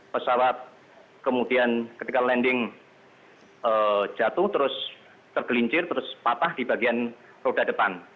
pesawat kemudian ketika landing jatuh terus tergelincir terus patah di bagian roda depan